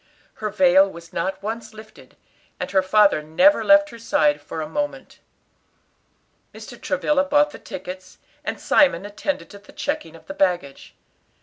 Her veil was not once lifted, and her father never left her side for a moment. Mr. Travilla bought the tickets, and Simon attended to the checking of the baggage.